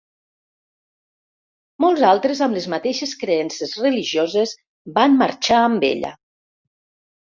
Molts altres amb les mateixes creences religioses van marxar amb ella.